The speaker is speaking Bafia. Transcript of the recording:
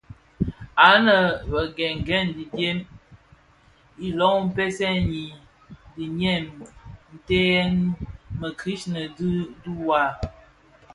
Anë bé ghèn ghèn dièm iloh mpeziyen dhiyèm ntëghèn mikrighe dhi duwa.